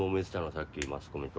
さっきマスコミと。